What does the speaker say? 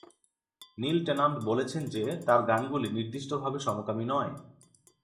নীল Tennant বলেছেন যে তার গানগুলি নির্দিষ্টভাবে সমকামী নয়।